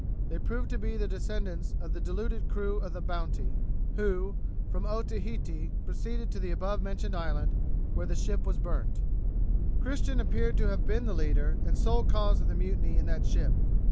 They proved to be the descendants of the deluded crew of the Bounty, who, from Otaheite, proceeded to the above mentioned island, where the ship was burnt. 'Christian appeared to have been the leader and sole cause of the mutiny in that ship.